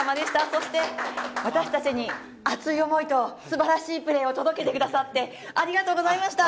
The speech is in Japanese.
そして、私たちに熱い思いとすばらしいプレーを届けてくださってありがとうございました！